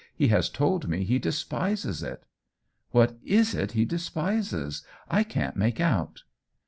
"He has told me he despises it." " What is it he despises ? I can't make out."